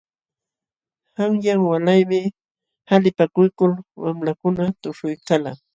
Qanyan walaymi qalipakuykul wamlakuna tushuykalqa.